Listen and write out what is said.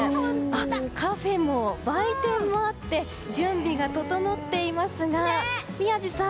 カフェも売店もあって準備が整っていますが宮司さん